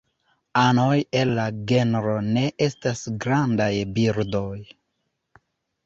Anoj el la genro ne estas grandaj birdoj.